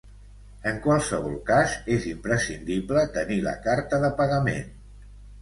En qualsevol cas, és imprescindible tenir la carta de pagament.